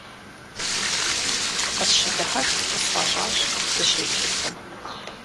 Къысщыдыхьэшх къысфӀэщӀащ, сыщеплъыпэм.